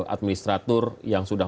administratur yang sudah